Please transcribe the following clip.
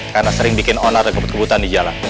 karena sering bikin onat dan kebut kebutan di jalan